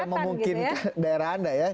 memungkinkan daerah anda ya